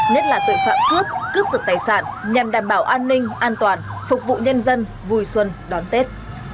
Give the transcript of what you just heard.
nhất là tội phạm cướp cướp giật tài sản nhằm đảm bảo an ninh an toàn phục vụ nhân dân vui xuân đón tết